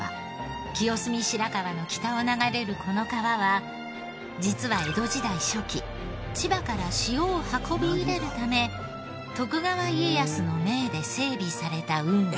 清澄白河の北を流れるこの川は実は江戸時代初期千葉から塩を運び入れるため徳川家康の命で整備された運河。